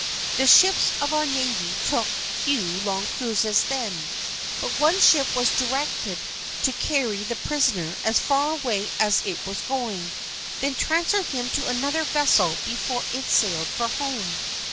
The ships of our navy took few long cruises then, but one ship was directed to carry the prisoner as far away as it was going, then transfer him to another vessel before it sailed for home.